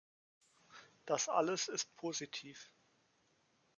Das alles ist positiv.